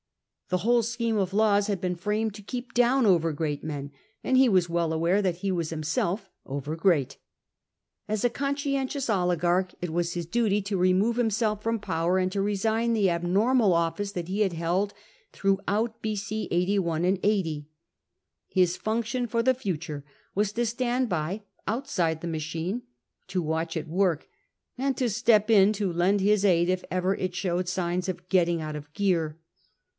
The whole scheme of laws had been framed to keep down over great men, and he was well aware that he was himself over great. As a conscientious oligarch, it was his duty to remove him self from power, and to resign the abnormal office that he had held throughout B.C. 81 and 80. His function for the future was to stand by, outside the machine, to watch it work, and to step in to lend his aid if ever it showed signs of getting out of gear.